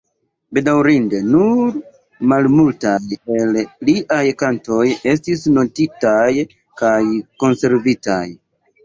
Bedaŭrinde nur malmultaj el liaj kantoj estis notitaj kaj konservitaj.